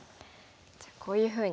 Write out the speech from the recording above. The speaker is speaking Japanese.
じゃあこういうふうに。